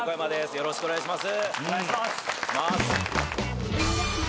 よろしくお願いします。